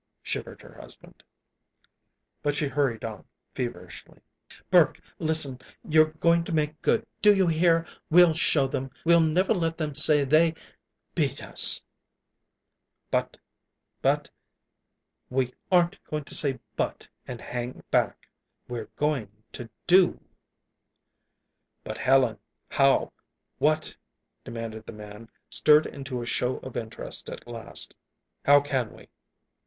shivered her husband. But she hurried on feverishly. "Burke, listen! You're going to make good. Do you hear? We'll show them. We'll never let them say they beat us!" "But but " "We aren't going to say 'but' and hang back. We're going to do!" "But, Helen, how? What?" demanded the man, stirred into a show of interest at last. "How can we?"